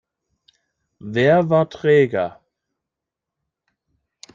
Wer war träger?